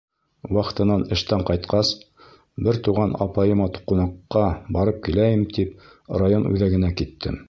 Вахтанан эштән ҡайтҡас, бер туған апайыма ҡунаҡҡа барып киләйем тип район үҙәгенә киттем.